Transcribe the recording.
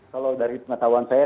kalau dari pengetahuan saya